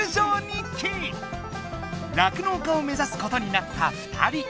酪農家をめざすことになった２人！